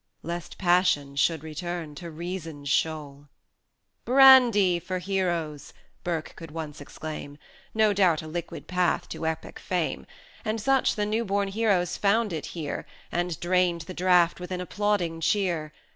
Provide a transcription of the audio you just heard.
" Lest passion should return to reason's shoal.[fb] 100 "Brandy for heroes!" Burke could once exclaim No doubt a liquid path to Epic fame; And such the new born heroes found it here, And drained the draught with an applauding cheer.